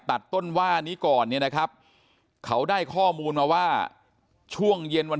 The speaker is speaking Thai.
ตัดต้นว่านี้ก่อนเนี่ยนะครับเขาได้ข้อมูลมาว่าช่วงเย็นวัน